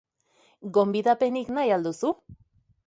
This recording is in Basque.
Gonbidapenik nahi al duzu?